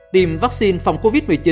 tiêm vaccine phòng covid một mươi chín